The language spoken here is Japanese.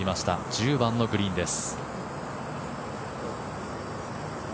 １０番のグリーンです。